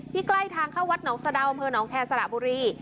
ที่ใกล้ทางเข้าวัดหนองสะดาวบหนองแทนสระบุรี